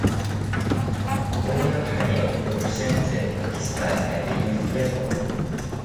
Umer Hayat represented Pakistan at the youth level.